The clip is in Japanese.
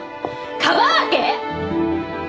かばうわけ！？